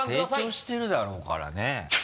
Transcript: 成長してるだろうからね。